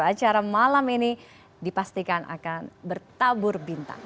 acara malam ini dipastikan akan bertabur bintang